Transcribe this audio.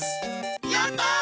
やった！